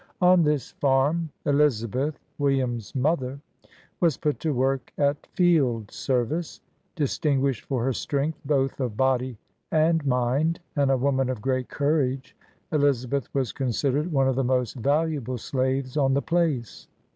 On this farm, Elizabeth (William's mother) was put to work at field service. Distin guished for her strength both of body and mind, and a woman of great courage, Elizabeth was considered one of the most valuable slaves on the place.